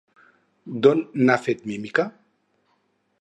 D'on n'ha fet mímica?